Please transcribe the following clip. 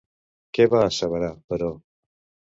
Què va asseverar, però?